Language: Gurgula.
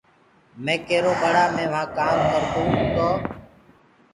مي ڪيرو ٻڙآ مي وهآنٚ ڪآم ڪردونٚ تو